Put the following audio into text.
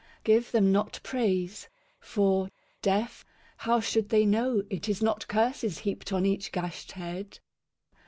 Give them not praise. For, deaf, how should they know It is not curses heaped on each gashed head